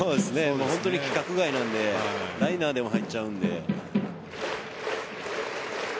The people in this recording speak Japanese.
本当に規格外なのでライナーでも入ってしまうので。